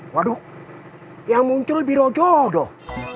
waduh yang muncul biro jodoh